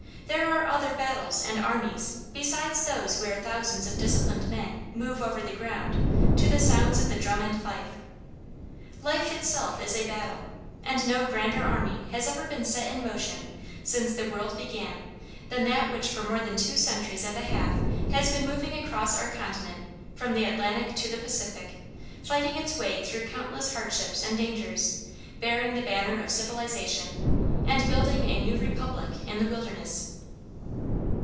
There are other battles and armies besides those where thousands of disciplined men move over the ground to the sounds of the drum and fife. Life itself is a battle, and no grander army has ever been set in motion since the world began than that which for more than two centuries and a half has been moving across our continent from the Atlantic to the Pacific, fighting its way through countless hardships and dangers, bearing the banner of civilization, and building a new republic in the wilderness.